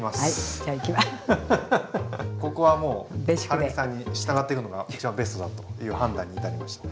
はるみさんに従っていくのが一番ベストだという判断に至りました。